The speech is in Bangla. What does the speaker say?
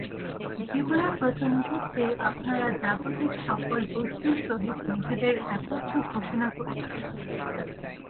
জীবনের প্রতিমুহূর্তেই আপনারা জাগতিক সকল বস্তুর সহিত নিজেদের একত্ব ঘোষণা করিতেছেন।